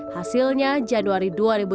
hasilnya januari dua ribu delapan belas